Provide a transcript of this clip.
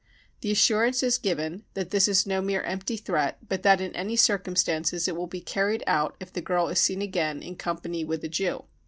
The assurance is given that this is no mere empty threat, but that in' any circumstances it will be carried out if the girl is seen again in company with a Jew.